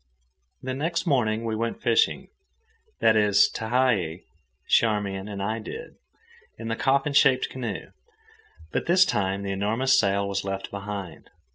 The next morning we went fishing, that is, Tehei, Charmian, and I did, in the coffin shaped canoe; but this time the enormous sail was left behind.